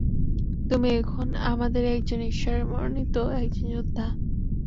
তুমি এখন আমাদেরই একজন, ঈশ্বরের মনোনীত একজন যোদ্ধা!